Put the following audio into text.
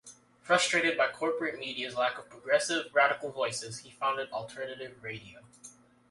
Frustrated by corporate media's lack of progressive, radical voices, he founded Alternative Radio.